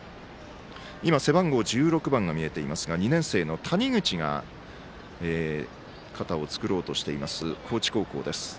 今、背番号１６番が見えていましたが、２年生の谷口が肩を作ろうとしています高知高校です。